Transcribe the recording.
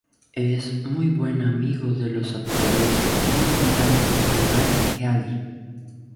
Es muy buen amigo de los actores Nick Miles y Matt Healy.